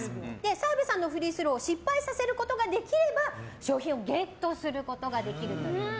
澤部さんのフリースローを失敗させることができれば賞品をゲットすることができるという。